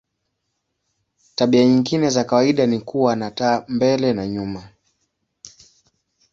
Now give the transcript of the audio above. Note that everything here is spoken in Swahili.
Tabia nyingine za kawaida ni kuwa na taa mbele na nyuma.